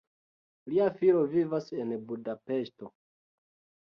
Lia filo vivas en Budapeŝto.